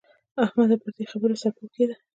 احمده! پر دې خبره سرپوښ کېږده.